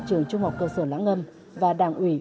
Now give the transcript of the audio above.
trường trung học cơ sở lãng âm và đảng ủy